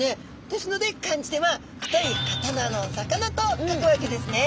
ですので漢字では「太い刀の魚」と書くわけですね。